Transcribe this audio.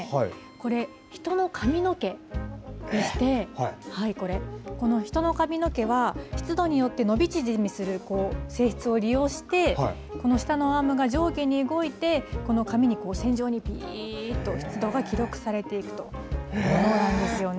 これ、人の髪の毛でして、これ、この人の髪の毛は、湿度によって伸び縮みする性質を利用して、この下のアームが上下に動いて、この紙に線状にびーっと湿度が記録されていくというものなんですよね。